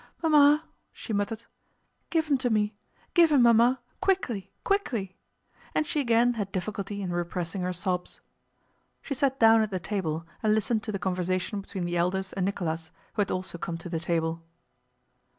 "Mamma!" she muttered, "give him to me, give him, Mamma, quickly, quickly!" and she again had difficulty in repressing her sobs. She sat down at the table and listened to the conversation between the elders and Nicholas, who had also come to the table.